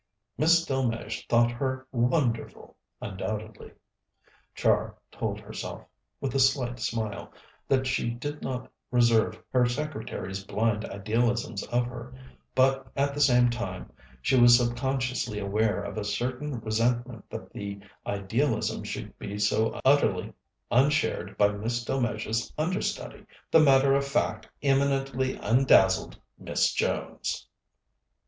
Miss Delmege thought her "wonderful," undoubtedly. Char told herself, with a slight smile, that she did not deserve her secretary's blind idealisms of her, but at the same time she was subconsciously aware of a certain resentment that the idealism should be so utterly unshared by Miss Delmege's understudy, the matter of fact, eminently undazzled Miss Jones.